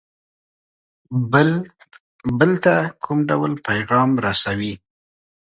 بل ته کوم ډول پیغام رسوي.